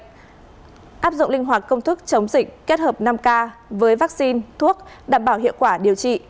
áp dụng linh hoạt công thức chống dịch kết hợp năm k với vaccine thuốc đảm bảo hiệu quả điều trị